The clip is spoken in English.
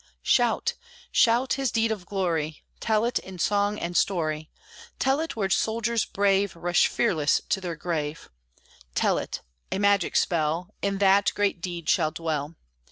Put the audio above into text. Shout! shout, his deed of glory! Tell it in song and story; Tell it where soldiers brave Rush fearless to their grave; Tell it a magic spell In that great deed shall dwell.